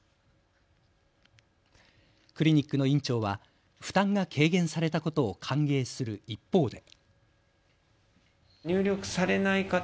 クリニックの院長は負担が軽減されたことを歓迎する一方で。